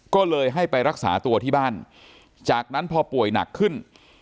ก็เลยให้ไปรักษาตัวที่บ้านจากนั้นพอป่วยหนักขึ้น